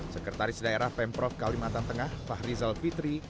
sekretaris daerah pemprov kalimantan tengah fahrizal fitri